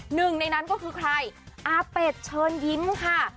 หนึ่งในนั้นก็คือใครอาเป็ดเชิญยิ้มค่ะ